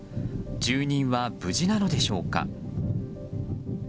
住人は無事なのでしょうか。